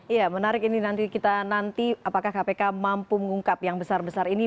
iya menarik ini nanti kita nanti apakah kpk mampu mengungkap yang besar besar ini